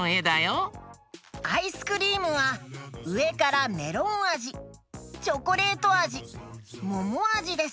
アイスクリームはうえからメロンあじチョコレートあじももあじです！